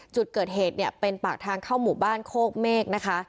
จุดเกิดเหตุเนี่ยเป็นปากทางเข้าหมู่บ้านโคกเมฆนะคะ